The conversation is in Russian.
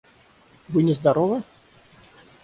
Вы нездоровы?